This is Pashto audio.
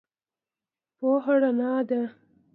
پوهه رڼا ده